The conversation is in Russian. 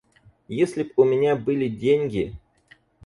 Если б у меня были деньги...